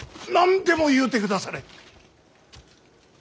何でも言うてくだされ。